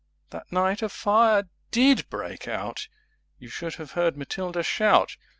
That Night a Fire did break out— You should have heard Matilda Shout!